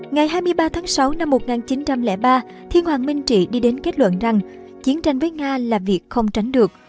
ngày hai mươi ba tháng sáu năm một nghìn chín trăm linh ba thiên hoàng minh trị đi đến kết luận rằng chiến tranh với nga là việc không tránh được